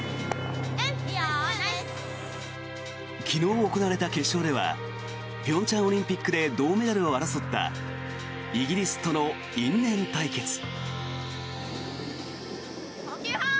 昨日行われた決勝では平昌オリンピックで銅メダルを争ったイギリスとの因縁対決。